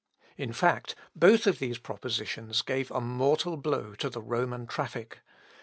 In fact, both of these propositions gave a mortal blow to the Roman traffic.